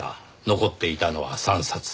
残っていたのは３冊。